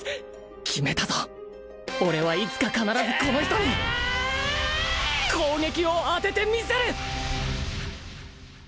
決めたぞ俺はいつか必ずこの人に攻撃を当ててみせる！